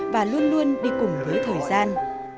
và luôn luôn đi cùng với thời gian